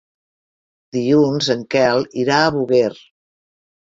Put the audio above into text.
Dilluns en Quel irà a Búger.